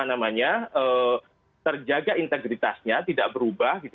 integritasnya tidak berubah